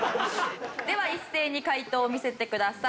では一斉に解答を見せてください。